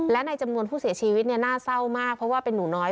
และในจำนวนผู้เสียชีวิตน่าเศร้ามากเพราะว่าเป็นหนูน้อย